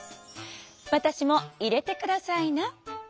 わたしもいれてくださいな」。